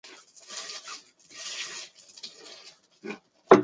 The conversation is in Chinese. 加利西亚之声是在西班牙加利西亚自治区发行量最高的日报。